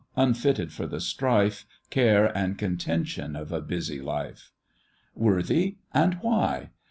unfitted for the strife, Care, and contention of a busy life; Worthy, and why?